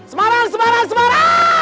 semarang semarang semarang